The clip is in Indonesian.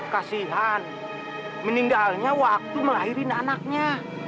kasihan meninggalnya waktu melahirin anaknya